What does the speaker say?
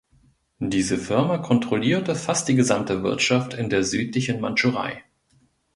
Diese Firma kontrollierte fast die gesamte Wirtschaft in der südlichen Mandschurei.